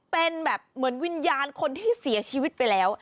เป็นแบบเหมือนวิญญาณคนที่เสียชีวิตไปแล้ว